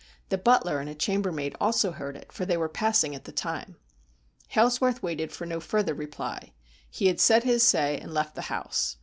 The butler and a chambermaid also heard it, for they were passing at the time. Hailsworth waited for no further reply. He had said his say and left the house.